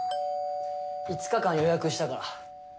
５日間予約したから。